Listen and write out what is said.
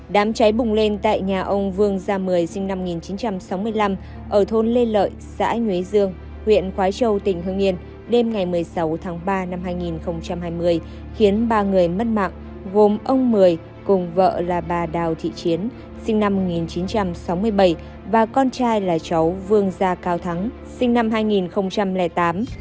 đám cháy bùng lên tại nhà ông vương gia mười sinh năm một nghìn chín trăm sáu mươi năm ở thôn lê lợi xã nguyễn dương huyện quái châu tỉnh hưng yên đêm ngày một mươi sáu tháng ba năm hai nghìn hai mươi khiến ba người mất mạng gồm ông mười cùng vợ là bà đào thị chiến sinh năm một nghìn chín trăm sáu mươi bảy và con trai là cháu vương gia cao thắng sinh năm hai nghìn tám